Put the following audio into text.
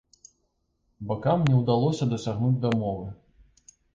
Бакам не ўдалося дасягнуць дамовы.